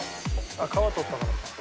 皮取ったからか。